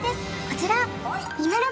こちら